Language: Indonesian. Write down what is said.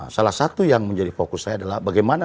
salah satu yang menjadi fokus saya adalah bagaimana